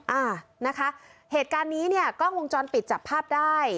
อ่านะคะเหตุการณ์นี้เนี่ยกล้องวงจรปิดจับภาพได้